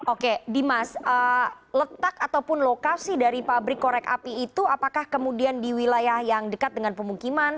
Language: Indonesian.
oke dimas letak ataupun lokasi dari pabrik korek api itu apakah kemudian di wilayah yang dekat dengan pemukiman